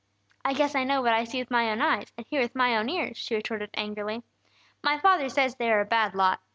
"I guess I know what I see with my own eyes, and hear with my own ears!" she retorted, angrily. "My father says they are a bad lot.